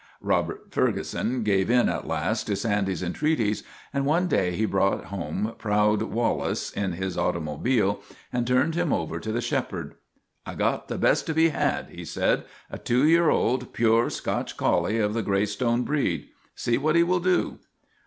Robert Ferguson gave in at last to Sandy's en treaties, and one day he brought home proud Wal lace in his automobile and turned him over to the shepherd. " I got the best to be had," he said; " a two year old, pure Scotch collie of the Greystone breed. See what he will do."